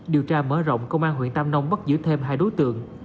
điều tra mở rộng công an huyện tam nông bắt giữ thêm hai đối tượng